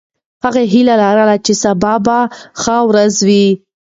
هغه هیله لرله چې سبا به ښه ورځ وي.